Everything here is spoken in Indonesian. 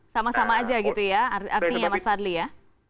sama sama aja gitu ya artinya mas fadli ya